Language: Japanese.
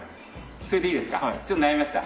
それでいいですか？